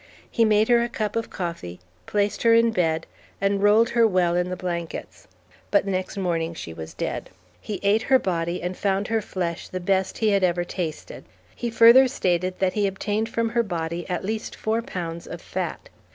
He made her a cup of coffee, placed her in bed, and rolled her well in the blankets; but next morning she was dead. He ate her body and found her flesh the best he had ever tasted. He further stated that he obtained from her body at least four pounds of fat.